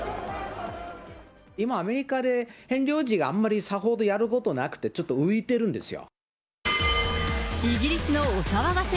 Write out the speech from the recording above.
今、アメリカでヘンリー王子があんまり、さほどやることなくて、ちょっと浮いてるんですよ。